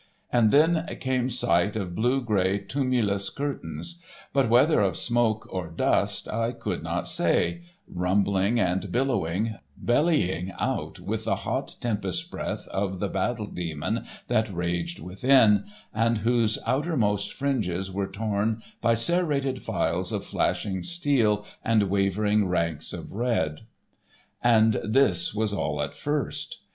And then came sight of blue grey tumulous curtains—but whether of smoke or dust, I could not say, rumbling and billowing, bellying out with the hot tempest breath of the battle demon that raged within, and whose outermost fringes were torn by serrated files of flashing steel and wavering ranks of red. And this was all at first.